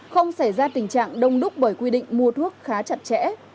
không xảy ra tình trạng đông đúc bởi quy định mua thuốc khá chặt chẽ